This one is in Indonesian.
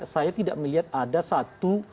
saya tidak melihat ada satu